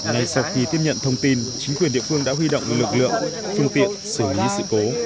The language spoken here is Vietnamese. ngay sau khi tiếp nhận thông tin chính quyền địa phương đã huy động lực lượng phương tiện xử lý sự cố